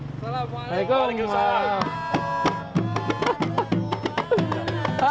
assalamu'alaikum warahmatullahi wabarakatuh